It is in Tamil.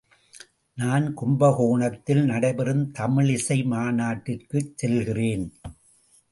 நான் கும்பகோணத்தில் நடைபெறும் தமிழிசை மாநாட்டிற்குச் செல்கிறேன்.